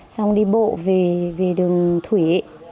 xong đi bộ về đường thủy